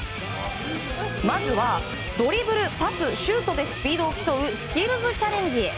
まずはドリブル、パス、シュートでスピードを競うスキルズチャレンジ。